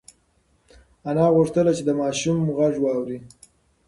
انا غوښتل چې د ماشوم غږ واوري.